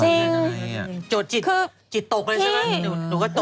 จริงจนให้อ่ะโจทย์จิตคือจิตตกเลยใช่ไหมหนูหนูก็ตก